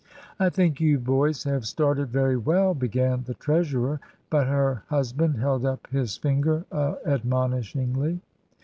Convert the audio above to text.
"I think you boys have started very well," began the treasurer, but her husband held up his finger admonishingly.